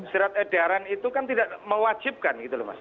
surat edaran itu kan tidak mewajibkan gitu loh mas